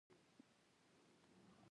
مسبب ذکر شي او مراد ځني سبب يي.